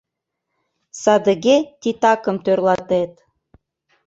Садыге титакым тӧрлатет...